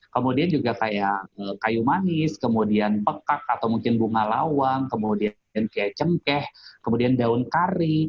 kemudian juga kayak kayu manis kemudian pekak atau mungkin bunga lawang kemudian kayak cengkeh kemudian daun kari